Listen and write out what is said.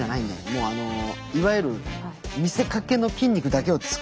もうあのいわゆる見せかけの筋肉だけを作りたい。